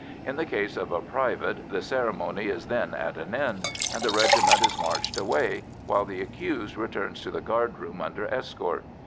In the case of a private the ceremony is then at an end, and the regiment is marched away, while the accused returns to the guard room under escort.